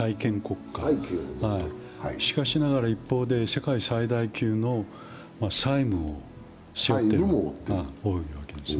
しかしながら一方で、世界最大級の債務を背負っている。